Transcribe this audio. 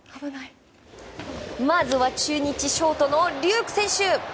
まずは中日ショートの龍空選手。